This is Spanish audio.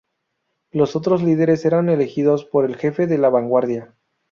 Los otros líderes eran elegidos por el Jefe de la Vanguardia.